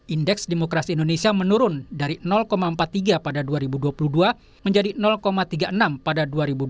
indeks demokrasi indonesia menurun dari empat puluh tiga pada dua ribu dua puluh dua menjadi tiga puluh enam pada dua ribu dua puluh